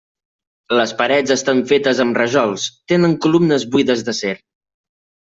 Les parets estan fetes amb rajols, tenen columnes buides d'acer.